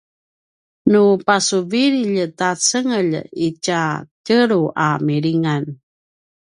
nu pasuvililj ta cengelj itja tjelu a milingan